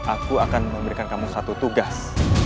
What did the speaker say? aku akan memberikan kamu satu tugas